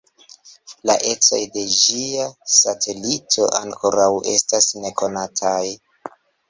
La ecoj de ĝia satelito ankoraŭ estas nekonataj.